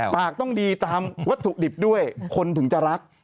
ปากต้องดีตามวัตถุดิบด้วยคนถึงจะรัก